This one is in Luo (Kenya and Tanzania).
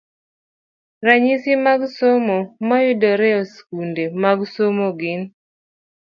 Ranyisi mag somo mayudore e skunde mag somo gin: